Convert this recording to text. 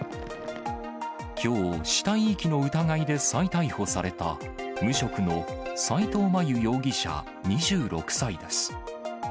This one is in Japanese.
きょう、死体遺棄の疑いで再逮捕された、無職の斎藤真悠容疑者２６歳です。